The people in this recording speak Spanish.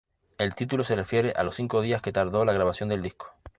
El título se refiere a los cinco días que tardó la grabación del disco.